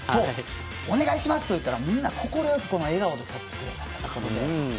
お願いしますと言ったらみんな快く笑顔で撮ってくれたということで。